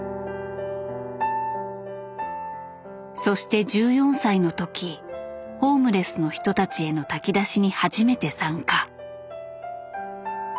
そして１４歳の時ホームレスの人たちへの炊き出しに初めて参加。